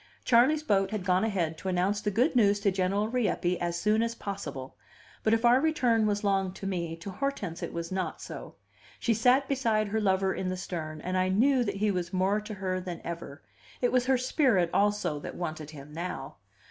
Charley's boat had gone ahead to announce the good news to General Rieppe as soon as possible. But if our return was long to me, to Hortense it was not so. She sat beside her lover in the stern, and I knew that he was more to her than ever: it was her spirit also that wanted him now.